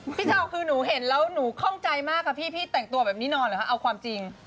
พี่เช้าคือหนูเห็นแล้วหนูข้องใจมากค่ะพี่พี่แต่งตัวแบบนี้นอนเหรอคะเอาความจริง